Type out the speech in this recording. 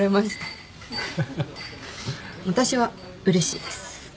私はうれしいです。